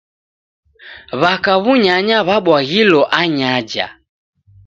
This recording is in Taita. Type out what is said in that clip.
W'aka w'unyanya w'abwaghilo anyaja.